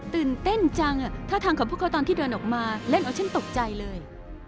ตื่นเต้นจังท่าทางของพวกเขาตอนที่เดินออกมาเล่นเอาฉันตกใจเลย